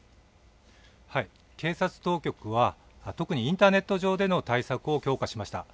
警察当局は特にインターネット上での対策を強化しました。